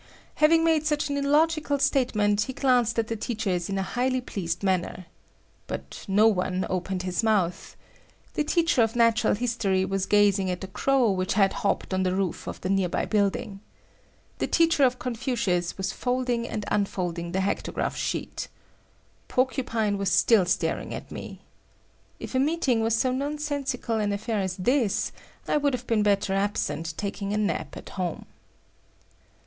Having made such an illogical statement, he glanced at the teachers in a highly pleased manner. But no one opened his mouth. The teacher of natural history was gazing at the crow which had hopped on the roof of the nearby building. The teacher of Confucius was folding and unfolding the hectograph sheet. Porcupine was still staring at me. If a meeting was so nonsensical an affair as this, I would have been better absent taking a nap at home.